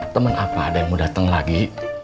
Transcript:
temen apa ada yang mau datang lagi